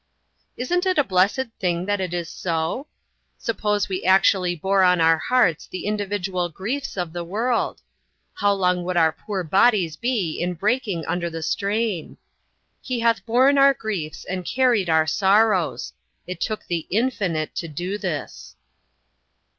Isn't it a blessed thing that it is so? Sup pose we actually bore on our hearts the in dividual griefs of the world ? How long would our poor bodies be in breaking under the strain? "He hath borne our griefs and carried our sorrows." It took the Infinite to do this.